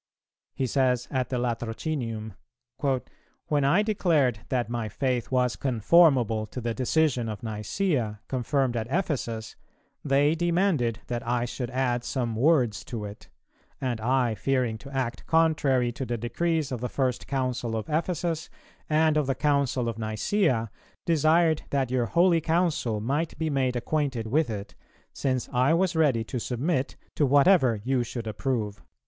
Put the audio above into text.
He says at the Latrocinium, "When I declared that my faith was conformable to the decision of Nicæa, confirmed at Ephesus, they demanded that I should add some words to it; and I, fearing to act contrary to the decrees of the First Council of Ephesus and of the Council of Nicæa, desired that your holy Council might be made acquainted with it, since I was ready to submit to whatever you should approve."